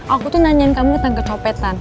aku tuh nanyain kamu tentang kecopetan